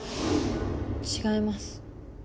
違います。